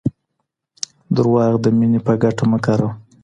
دروغ د مینې په ګټه مه کاروه.